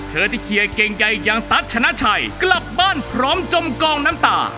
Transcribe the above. เธอจะเคลียร์เก่งใหญ่อย่างตั๊ชนะชัยกลับบ้านพร้อมจมกองน้ำตา